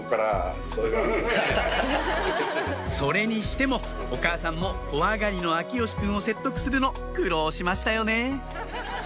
それにしてもお母さんも怖がりの耀義くんを説得するの苦労しましたよね